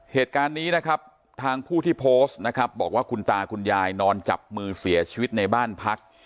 เหตุการณ์นี้นะครับทางผู้ที่โพสต์นะครับบอกว่าคุณตาคุณยายนอนจับมือเสียชีวิตในบ้านพัก